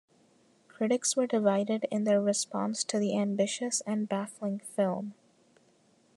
Critics were divided in their response to the "ambitious and baffling" film.